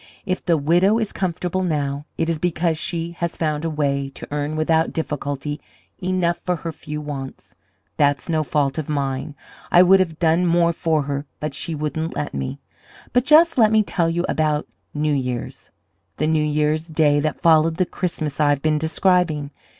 If the widow is comfortable now, it is because she has found a way to earn without difficulty enough for her few wants. That's no fault of mine. I would have done more for her, but she wouldn't let me. But just let me tell you about New Year's the New Year's day that followed the Christmas I've been describing.